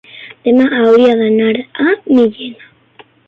Demà hauria d'anar a Millena.